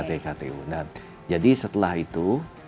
pt ktu dan jadi setelah itu